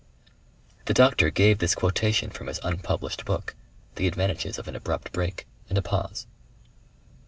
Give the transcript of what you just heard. The doctor gave this quotation from his unpublished book the advantages of an abrupt break and a pause.